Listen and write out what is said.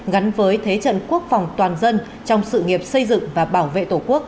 gắn với thế trận quốc phòng toàn dân trong sự nghiệp xây dựng và bảo vệ tổ quốc